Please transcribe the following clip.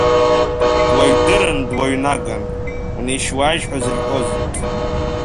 Дуаҩ-дырын дуаҩ-наган, унеишь-уааишь ҳәа зарҳәоз.